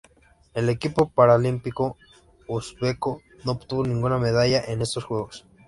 El equipo paralímpico uzbeko no obtuvo ninguna medalla en estos Juegos.